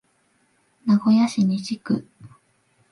名古屋市西区